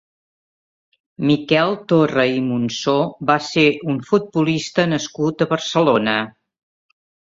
Miquel Torra i Monsó va ser un futbolista nascut a Barcelona.